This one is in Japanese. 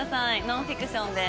ノンフィクションで。